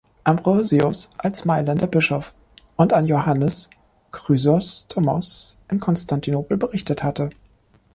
Ambrosius als Mailänder Bischof, und an Johannes Chrysostomos in Konstantinopel berichtet hatte.